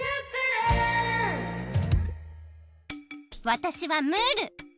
わたしはムール。